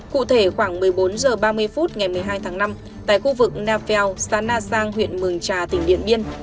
cụ thể khoảng một mươi bốn h ba mươi phút ngày một mươi hai tháng năm tại khu vực na pheo sán na sang huyện mường trà tỉnh điện biên